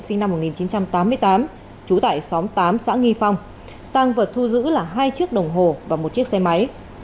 sinh năm một nghìn chín trăm tám mươi tám trú tại xóm tám xã nghi phong tăng vật thu giữ là hai chiếc đồng hồ và một chiếc xe máy